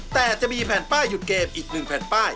แต่จะมีแผ่นป้ายหยุดเกมอีก๑แผ่นป้าย